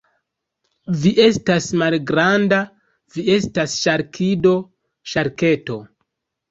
Vi estas malgranda. Vi estas ŝarkido. Ŝarketo.